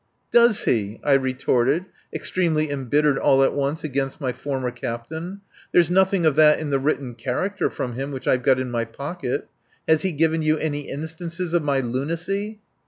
"Does he?" I retorted, extremely embittered all at once against my former captain. "There's nothing of that in the written character from him which I've got in my pocket. Has he given you any instances of my lunacy?"